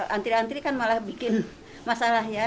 antri antri kan malah bikin masalah ya